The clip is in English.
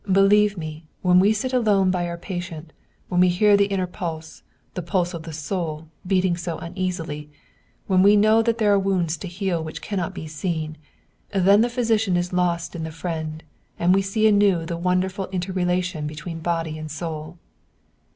Be lieve me, when we sit alone by our patient, when we hear the inner pulse, the pulse of the soul, beating so uneasily, when we know that there are wounds to heal which cannot be seen then the physician is lost in the friend, and we see anew the wonderful interrelation between body and soul."